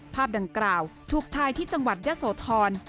ภาพดังกล่าวถูกทายที่จังหวัดยะโสธร